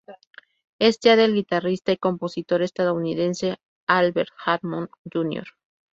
Es tía del guitarrista y compositor estadounidense Albert Hammond Jr.